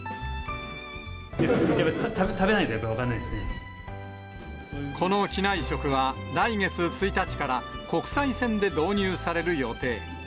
食べないとやっぱり分からなこの機内食は、来月１日から、国際線で導入される予定。